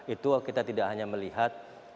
itu kita tidak hanya melihat